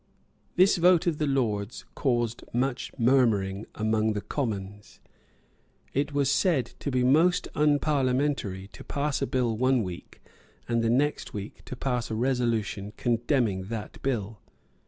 This vote of the Lords caused much murmuring among the Commons. It was said to be most unparliamentary to pass a bill one week, and the next week to pass a resolution condemning that bill.